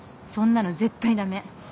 そんなの絶対駄目。